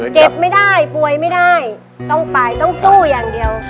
เจ็บไม่ได้ป่วยไม่ได้ต้องไปต้องสู้อย่างเดียว